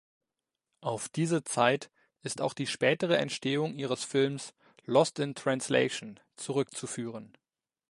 Auf diese Zeit ist auch die spätere Entstehung ihres Films "Lost in Translation" zurückzuführen.